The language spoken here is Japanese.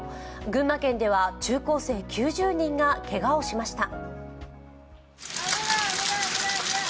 群馬県では中高生９０人がけがをしました。